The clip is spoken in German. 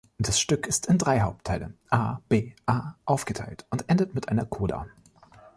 Das Stück ist in drei Hauptteile, A-B-A aufgeteilt und endet mit einer Coda.